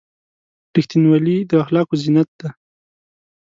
• رښتینولي د اخلاقو زینت دی.